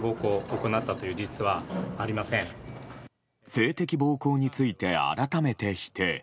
性的暴行について改めて否定。